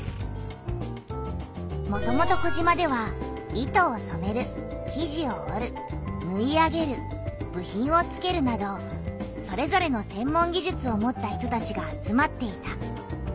もともと児島では糸をそめる生地を織るぬい上げる部品をつけるなどそれぞれの専門技術を持った人たちが集まっていた。